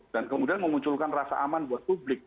dan kemudian memunculkan rasa aman buat publik